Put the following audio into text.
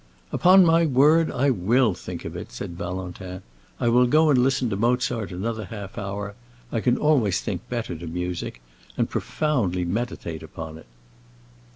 "Upon my word I will think of it," said Valentin. "I will go and listen to Mozart another half hour—I can always think better to music—and profoundly meditate upon it."